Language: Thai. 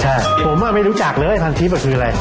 ใช่ผมไม่รู้จักเลยพันทิพย์คืออะไร